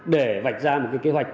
để vạch ra một cái kế hoạch